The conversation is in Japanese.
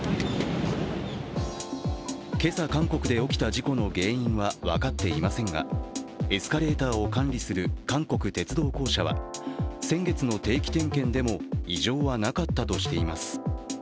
今朝、韓国で起きた事故の原因は分かっていませんが、エスカレーターを管理する韓国鉄道公社は先月の定期点検でも異常はなかったとしています。